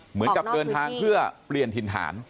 เหมือนกับเดินทางเพื่อเปลี่ยนถิ่นฐาน